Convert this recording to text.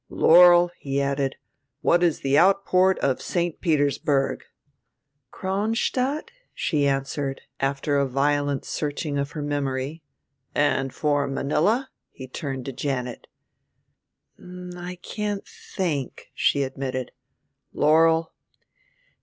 "Laurel," he added, "what is the outport of St. Petersburg?" "Cronstadt," she answered, after a violent searching of her memory. "And for Manilla?" he turned to Janet. "I can't think," she admitted. "Laurel?"